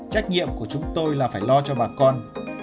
trách nhiệm của chúng tôi là phải lo cho bà con